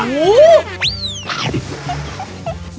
โอ้โห